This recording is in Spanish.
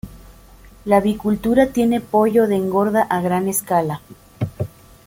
La avicultura tiene pollo de engorda a gran escala.